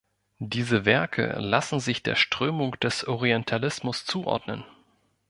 Diese Werke lassen sich der Strömung des Orientalismus zuordnen.